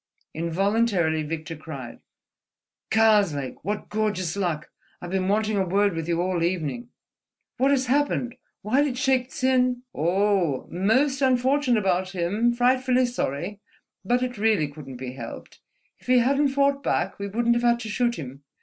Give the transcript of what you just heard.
Involuntarily Victor cried: "Karslake!" "What gorgeous luck! I've been wanting a word with you all evening." "What has happened? Why did Shaik Tsin—?" "Oh, most unfortunate about him—frightfully sorry, but it really couldn't be helped, if he hadn't fought back we wouldn't have had to shoot him.